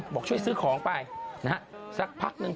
บอกช่วยซื้อของไปสักพักหนึ่ง